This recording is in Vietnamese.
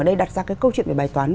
đây đặt ra cái câu chuyện về bài toán